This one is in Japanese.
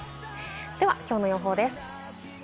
では今日の予報です。